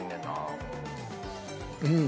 うん。